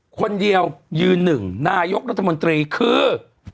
คนเดียวยืนหนึ่งนายกรัฐมนตรีคือ